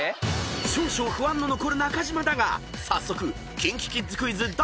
［少々不安の残る中島だが早速ＫｉｎＫｉＫｉｄｓクイズ］